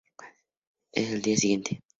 Countdown" de Mnet al día siguiente.